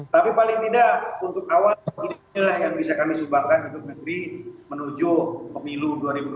tapi paling tidak untuk awal inilah yang bisa kami sumbangkan untuk negeri menuju pemilu dua ribu dua puluh